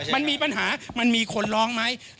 มันมีปัญหามันมีคนร้องไหม